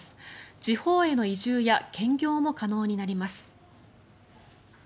地方への移住や兼業も可能になります。